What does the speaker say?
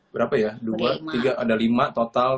berapa ya dua tiga ada lima total